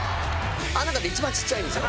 あの中で一番ちっちゃいんですよ。